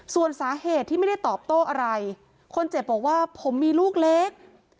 ส่วนสาเหตุที่ไม่ได้ตอบโต้อะไรคนเจ็บบอกว่าผมมีลูกเล็ก